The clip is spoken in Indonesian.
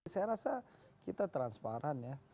saya rasa kita transparan ya